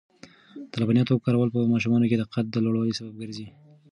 د لبنیاتو کارول په ماشومانو کې د قد د لوړوالي سبب ګرځي.